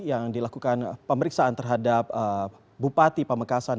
yang dilakukan pemeriksaan terhadap bupati pamekasan